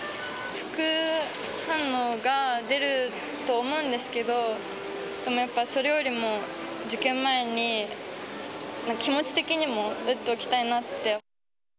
副反応が出ると思うんですけど、なんかそれよりも、受験前に気持ち的にも打っておきたいなって。